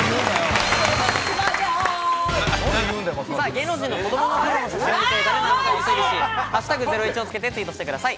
芸能人の子どもの頃の写真を見て誰なのかを推理し、「＃ゼロイチ」をつけてツイートしてください。